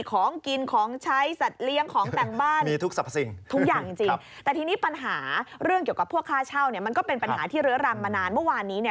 ของกินของใช้สัดเลี่ยงของตากบ้าน